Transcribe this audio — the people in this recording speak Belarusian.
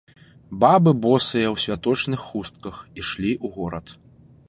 Бабы босыя, у святочных хустках, ішлі ў горад.